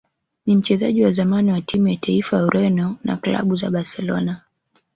ni mchezaji wa zamani wa timu ya taifa ya Ureno na klabu za Barcelona